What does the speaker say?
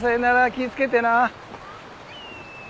気ぃつけてな。